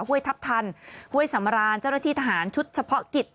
ห้วยทัพทันห้วยสำราญเจ้าหน้าที่ทหารชุดเฉพาะกิจ